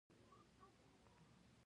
دا کار د انفلاسیون مخنیوى کوي.